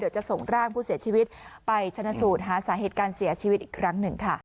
จะส่งร่างผู้เสียชีวิตไปชนะสูตรหาสาเหตุการเสียชีวิตอีกครั้งหนึ่งค่ะ